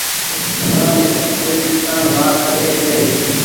نا مني ڪوئي انسان مآر سکي ڇي